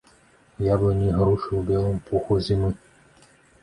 Яблыні і грушы ў белым пуху зімы.